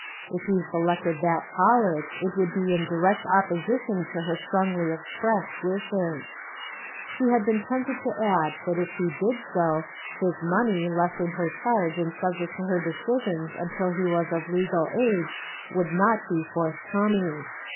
If he selected that college, it would be in direct opposition to her strongly expressed wishes. She had been tempted to add that if he did so, his money, left in her charge and subject to her decisions until he was of legal age, would not be forthcoming.